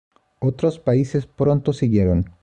Otros países pronto siguieron.